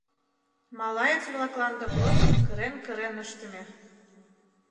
— Малаец-влаклан допросым кырен-кырен ыштыме.